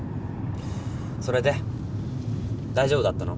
それで大丈夫だったの？